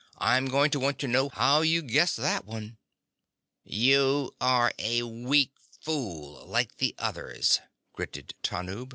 I'm going to want to know how you guessed that one."_ "You are a weak fool like the others," gritted Tanub.